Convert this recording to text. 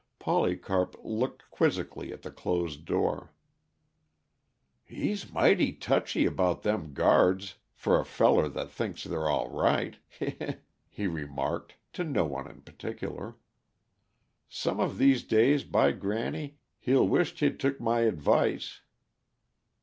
Polycarp looked quizzically at the closed door. "He's mighty touchy about them guards, for a feller that thinks they're all right he he!" he remarked, to no one in particular. "Some of these days, by granny, he'll wisht he'd took my advice!"